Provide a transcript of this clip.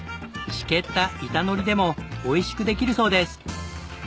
しけった板海苔でもおいしくできるそうです。